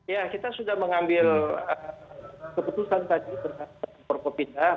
ya kita sudah mengambil keputusan tadi tentang perkepindahan